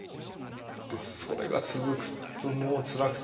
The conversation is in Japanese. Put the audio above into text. でそれが続くともうつらくて。